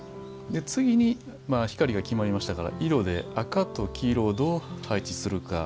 次に光が決まりましたから色で赤と黄色をどう配置するか。